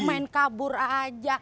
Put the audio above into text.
main kabur aja